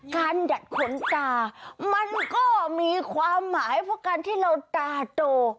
หยัดขนตามันก็มีความหมายเพราะการที่เราตาโต